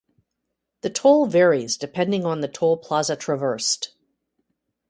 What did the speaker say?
The toll varies depending on the toll plaza traversed.